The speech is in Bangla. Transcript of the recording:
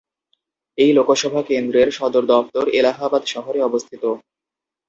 এই লোকসভা কেন্দ্রের সদর দফতর এলাহাবাদ শহরে অবস্থিত।